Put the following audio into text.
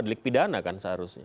delik pidana kan seharusnya